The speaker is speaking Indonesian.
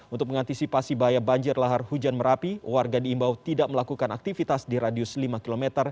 untuk mengantisipasi bahaya banjir lahar hujan merapi warga diimbau tidak melakukan aktivitas di radius lima km